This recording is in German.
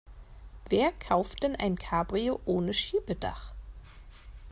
Wer kauft denn ein Cabrio ohne Schiebedach?